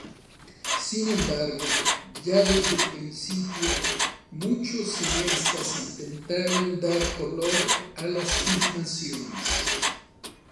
Sin embargo, ya desde el principio muchos cineastas intentaron dar color a las filmaciones.